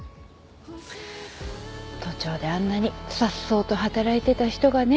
都庁であんなにさっそうと働いてた人がね。